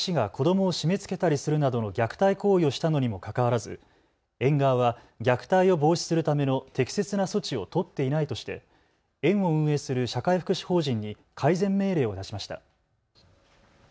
東京日野市は市内の認可保育園で保育士が子どもを締めつけたりするなどの虐待行為をしたのにもかかわらず園側は虐待を防止するための適切な措置を取っていないとして園を運営する社会福祉法人に改善命令を出しました。